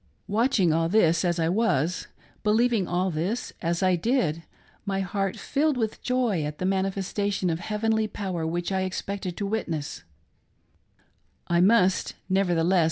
Watching all this, as I was ; believing all this, as I did ; my heart filled with joy at the manifestation of heavenly power which I expected to witness, — I must nevertheless, ■ FAITH TRIUMPHANT.